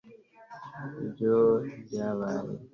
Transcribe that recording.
ibyo ntibyabaye